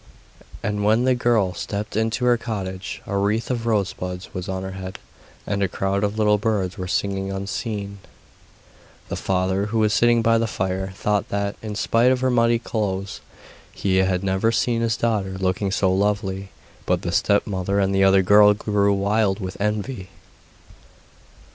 And when the girl stepped into her cottage a wreath of rosebuds was on her head, and a crowd of little birds were singing unseen. The father, who was sitting by the fire, thought that, in spite of her muddy clothes, he had never seen his daughter looking so lovely; but the stepmother and the other girl grew wild with envy.